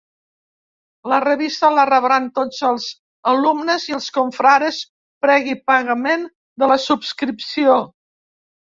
La revista la rebran tots els alumnes i els confrares previ pagament de la subscripció.